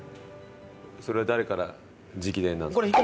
それは誰から直伝なんですか？